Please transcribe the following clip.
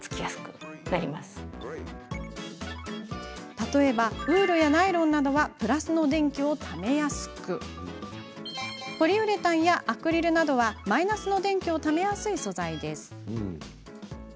例えば、ウールやナイロンなどはプラスの電気をためやすくポリウレタンやアクリルなどはマイナスの電気をためやすい素材です。